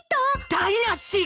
台無し！